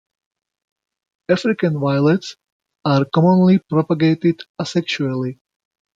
African violets are commonly propagated asexually.